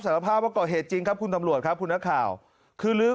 สารภาพว่าก่อเหตุจริงครับคุณตำรวจครับคุณนักข่าวคือลื้อ